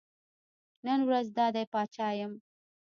نن ورځ دا دی پاچا یم.